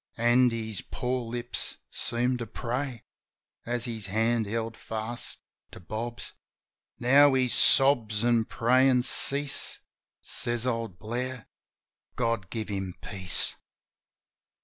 An' his poor lips seemed to pray. As his hand held fast to Bob's. .. Now his sobs an' prayin' cease. Says old Blair, "God give him peace!